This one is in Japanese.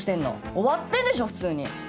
終わってんでしょ普通に！